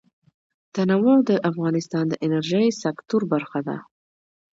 تنوع د افغانستان د انرژۍ سکتور برخه ده.